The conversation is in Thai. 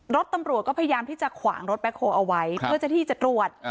รถตำรวจก็พยายามที่จะขวางรถแคลเอาไว้เพื่อจะที่จะตรวจ